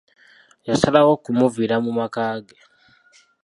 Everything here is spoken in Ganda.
Yasalawo okumuviira mu maka ge.